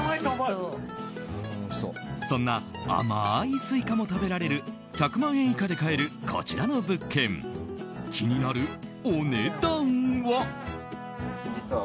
そんな甘いスイカも食べられる１００万円以下で買えるこちらの物件気になるお値段は。